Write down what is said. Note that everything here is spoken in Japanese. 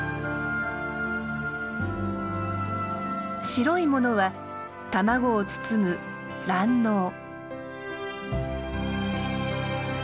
白いものは卵を包む卵のう。